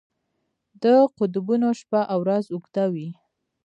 د قطبونو شپه او ورځ اوږده وي.